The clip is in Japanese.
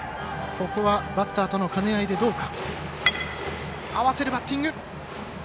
ここはバッターとの兼ね合いでどうか。